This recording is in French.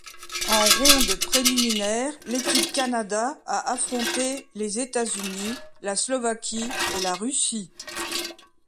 En ronde préliminaire, l'équipe Canada a affronté: les États-Unis, la Slovaquie et la Russie.